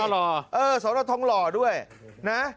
อ้าวเหรอเออสอนอท้องหล่อด้วยนะ